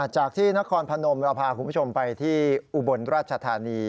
จากที่นครพนมเราพาคุณผู้ชมไปที่อุบลราชธานี